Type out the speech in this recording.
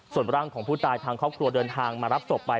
ส่วนร่างของผู้ตายทางครอบครัวเดินทางมารับศพไป